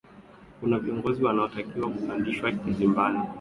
kuna viongozi wanaotakiwa kupandishwa kizimbani